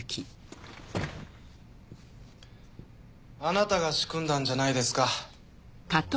あなたが仕組んだんじゃないですか？